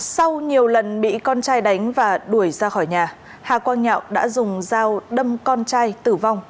sau nhiều lần bị con trai đánh và đuổi ra khỏi nhà hà quang nhạo đã dùng dao đâm con trai tử vong